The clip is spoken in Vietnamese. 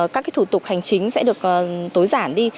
các thủ tục hành chính sẽ được tối giản đi